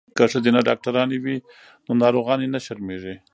که ښځینه ډاکټرانې وي نو ناروغانې نه شرمیږي.